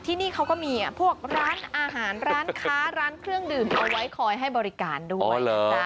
ที่นี่เขาก็มีพวกร้านอาหารร้านค้าร้านเครื่องดื่มเอาไว้คอยให้บริการด้วย